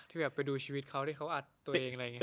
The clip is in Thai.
แบบไปดูชีวิตเขาที่เขาอัดตัวเองอะไรอย่างนี้